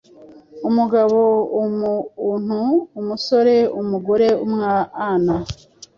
umugabo, umuuntu, umusôre, umugorê, umwâana,